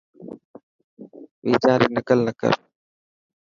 بيجان ري نقل نه ڪر.